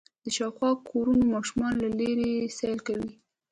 د شاوخوا کورونو ماشومانو له لېرې سيل کوه.